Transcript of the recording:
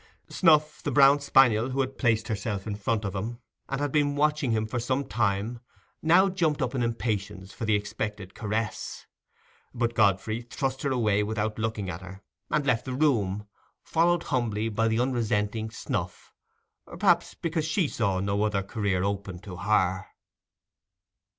Snuff, the brown spaniel, who had placed herself in front of him, and had been watching him for some time, now jumped up in impatience for the expected caress. But Godfrey thrust her away without looking at her, and left the room, followed humbly by the unresenting Snuff—perhaps because she saw no other career open to her.